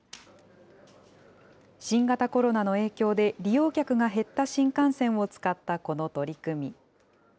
新型コロナの影響で、利用客が減った新幹線を使ったこの取り組み。